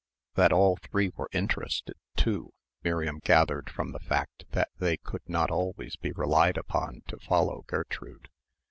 That all three were interested, too, Miriam gathered from the fact that they could not always be relied upon to follow Gertrude.